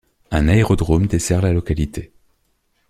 Un aérodrome dessert la localité.